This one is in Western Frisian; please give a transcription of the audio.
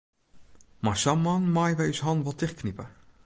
Mei sa'n man meie wy ús de hannen wol tichtknipe.